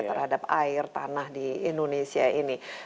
terhadap air tanah di indonesia ini